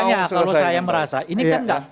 makanya kalau saya merasa ini berarti